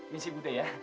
misi putih ya